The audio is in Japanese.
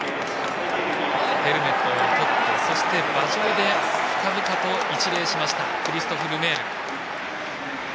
ヘルメットを取ってそして馬上で深々と一礼しましたクリストフ・ルメール。